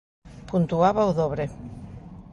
Puntuaba o dobre.